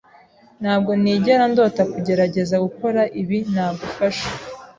Ntabwo nigera ndota kugerageza gukora ibi ntagufasha.